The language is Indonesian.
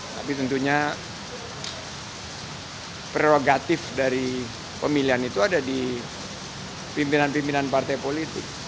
tapi tentunya prerogatif dari pemilihan itu ada di pimpinan pimpinan partai politik